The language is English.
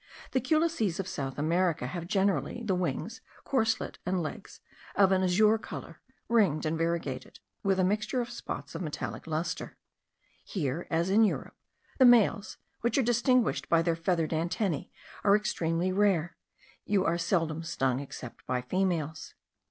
The culices of South America have generally the wings, corslet, and legs of an azure colour, ringed and variegated with a mixture of spots of metallic lustre. Here as in Europe, the males, which are distinguished by their feathered antennae, are extremely rare; you are seldom stung except by females.